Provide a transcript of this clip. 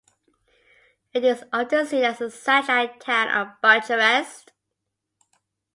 It is often seen as a satellite town of Bucharest.